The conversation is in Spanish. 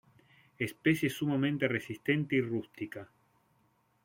Especie sumamente resistente y rústica.